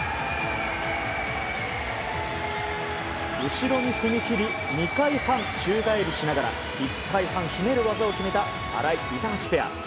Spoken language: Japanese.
後ろに踏み切り２回半宙返りしながら１回半ひねる技を決めた新井、板橋ペア。